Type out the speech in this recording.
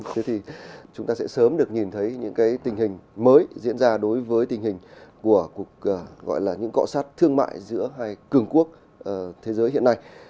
thế thì chúng ta sẽ sớm được nhìn thấy những tình hình mới diễn ra đối với tình hình của những cọ sát thương mại giữa hai cường quốc thế giới hiện nay